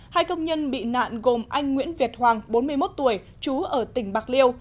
hai công nhân bị nạn gồm anh nguyễn việt hoàng bốn mươi một tuổi chú ở tỉnh bạc liêu